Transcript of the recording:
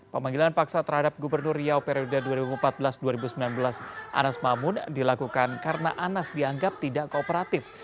pemanggilan paksa terhadap gubernur riau periode dua ribu empat belas dua ribu sembilan belas anas mamun dilakukan karena anas dianggap tidak kooperatif